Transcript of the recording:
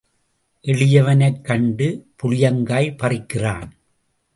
எளியவனைக் கண்டு புளியங்காய் பறிக்கிறான்.